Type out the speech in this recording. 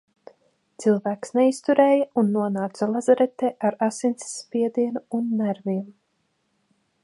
Cilvēks neizturēja un nonāca lazaretē ar asinsspiedienu un nerviem.